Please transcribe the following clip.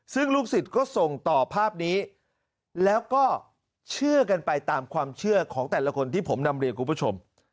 ซึ่งลูกศิษย์ก็ส่งต่อภาพนี้แล้วก็เชื่อกันไปตามความเชื่อของแต่ละคนที่ผมนำเรียนคุณผู้ชม